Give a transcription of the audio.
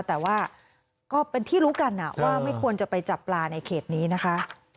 แต่ว่าก็เป็นที่รู้กันว่าไม่ควรจะไปจับปลาในเขตนี้นะคะ